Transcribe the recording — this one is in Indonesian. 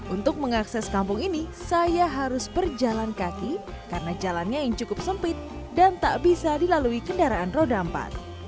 untuk mengakses kampung ini saya harus berjalan kaki karena jalannya yang cukup sempit dan tak bisa dilalui kendaraan roda empat